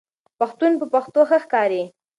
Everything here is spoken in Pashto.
پښتون په پښتو ښه ښکاریږي